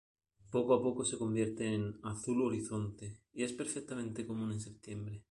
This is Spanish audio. Poco a poco se convierten en "azul horizonte" y es perfectamente común en septiembre.